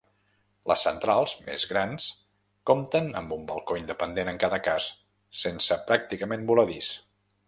Les centrals, més grans, compten amb un balcó independent en cada cas, sense pràcticament voladís.